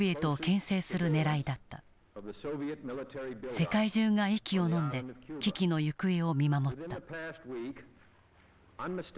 世界中が息をのんで危機の行方を見守った。